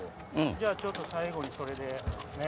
じゃあちょっと最後にそれでね。